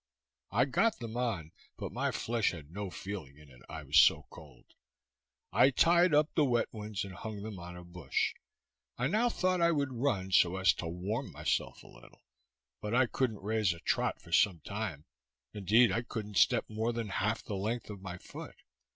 I got them on, but my flesh had no feeling in it, I was so cold. I tied up the wet ones, and hung them up in a bush. I now thought I would run, so as to warm myself a little, but I couldn't raise a trot for some time; indeed, I couldn't step more than half the length of my foot.